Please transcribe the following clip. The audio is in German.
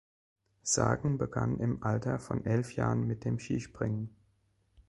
Sagen begann im Alter von elf Jahren mit dem Skispringen.